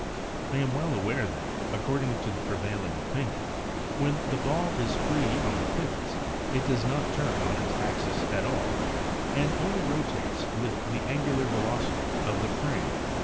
I am well aware that, according to the prevailing opinion, when the ball is free on the pivots it does not turn on its axis at all and only rotates with the angu lar velocity of the frame when rigidly at Fig.